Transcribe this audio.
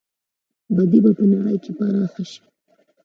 بدي به په نړۍ کې پراخه شي.